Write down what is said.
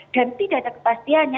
dan tidak ada kepastiannya